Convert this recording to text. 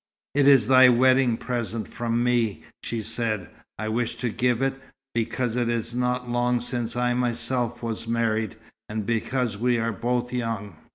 "It is thy wedding present from me," she said. "I wish to give it, because it is not long since I myself was married, and because we are both young.